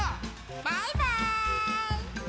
バイバーイ！